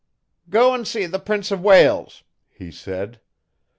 'Go an' see the Prince o' Wales,' he said.